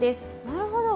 なるほど。